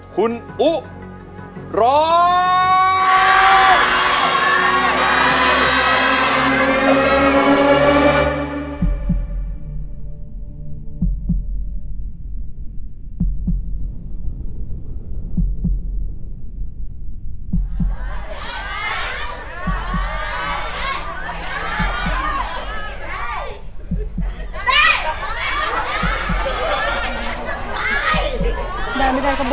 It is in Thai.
คุณอุ๊ร้อง